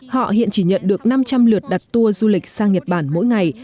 họ hiện chỉ nhận được năm trăm linh lượt đặt tour du lịch sang nhật bản mỗi ngày